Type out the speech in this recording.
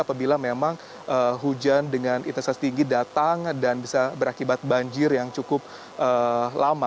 apabila memang hujan dengan intensitas tinggi datang dan bisa berakibat banjir yang cukup lama